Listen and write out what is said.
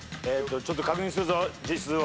ちょっと確認するぞ字数を。